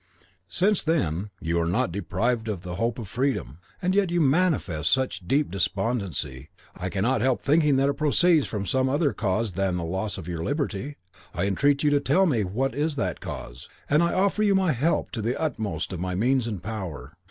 Since, then, you are not deprived of the hope of freedom, and yet manifest such deep despondency, I cannot help thinking that it proceeds from some other cause than the loss of your liberty. I entreat you to tell me what is that cause, and I offer you my help to the utmost of my means and power.